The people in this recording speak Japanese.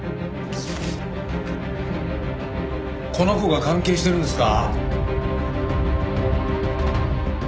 この子が関係してるんですか？